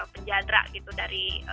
penjadrak gitu dari